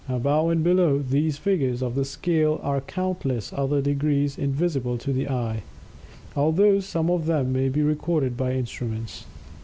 Above and below these figures of the scale are countless other degrees invisible to the eye, although some of them may be recorded by instruments.